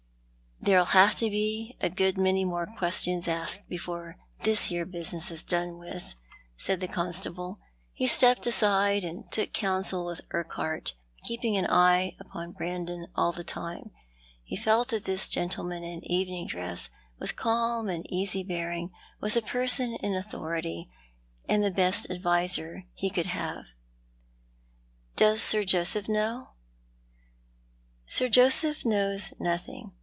" There'll have to be a good many more questions asked before this here business is done with," said the constable. He stepped aside, and took counsel with Urquhart, keeping an eye upjn Brandon all the time. He felt that this gentleman in evening dress, with calm and easy bearing, was a person in authority, and the best adviser he could have. " Does Sir Joseph know ?" he asked. " Sir Joseph knows nothing.